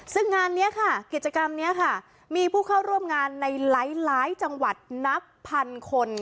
ซึ่งกิจกรรมนี้มีผู้เข้าร่วมงานในหลายจังหวัดนับพันคน